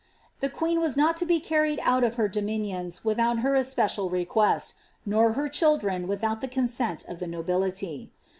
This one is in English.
The queen was not to be carried out of her di without her especial request, nor her children without the ct the nobility.